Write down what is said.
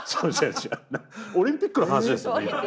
オリンピックの話です。